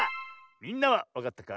みんなはわかったか？